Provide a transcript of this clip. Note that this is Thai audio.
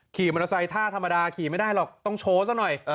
ขี่มอเตอร์ไซค์ท่าธรรมดาขี่ไม่ได้หรอกต้องโชว์ซะหน่อย